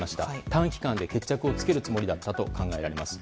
短期間で決着をつけるつもりだったと考えられます。